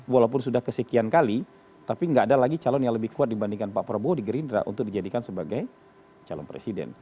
walaupun sudah kesekian kali tapi nggak ada lagi calon yang lebih kuat dibandingkan pak prabowo di gerindra untuk dijadikan sebagai calon presiden